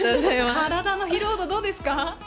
体の疲労度、どうですか。